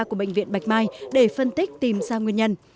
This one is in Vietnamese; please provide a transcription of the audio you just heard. của bệnh viện bạch mai để phân tích tìm ra nguyên nhân